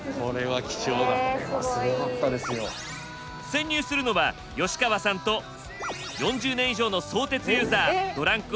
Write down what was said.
潜入するのは吉川さんと４０年以上の相鉄ユーザードランク